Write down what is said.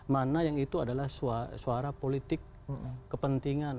mana yang itu adalah suara politik kepentingan